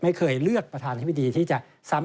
ไม่เคยเลือกประธานธิบดีที่จะซ้ำ